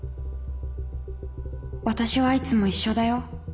私はいつも一緒だよ